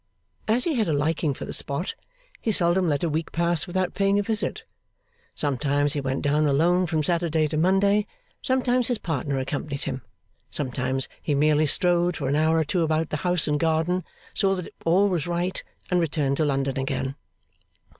As he had a liking for the spot, he seldom let a week pass without paying a visit. Sometimes, he went down alone from Saturday to Monday; sometimes his partner accompanied him; sometimes, he merely strolled for an hour or two about the house and garden, saw that all was right, and returned to London again.